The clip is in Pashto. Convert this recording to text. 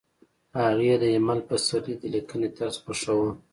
هغې د ایمل پسرلي د لیکنې طرز خوښاوه